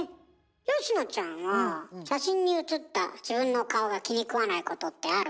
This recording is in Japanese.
佳乃ちゃんは写真にうつった自分の顔が気にくわないことってある？